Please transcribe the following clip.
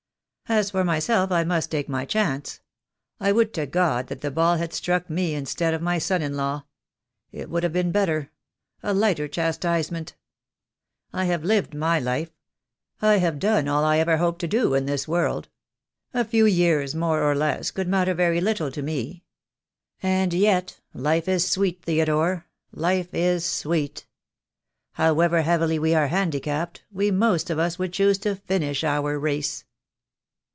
"As for myself, I must take my chance. I would to God that the ball had struck me instead of my son in law. It would have been better — a lighter chastisement. I have lived my life. I have done all I ever hoped to do in this world. A few years, more or less, could matter very little to me. And yet, life is sweet, Theodore, life is sweet! However heavily we are handicapped, we most of us would choose to finish our race."